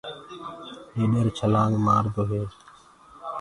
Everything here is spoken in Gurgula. ڏيڏر ڇلآنگ مآردو هي۔